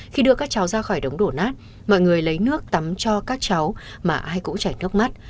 khi đưa các cháu ra khỏi đống đổ nát mọi người lấy nước tắm cho các cháu mà ai cũng chảy nước mắt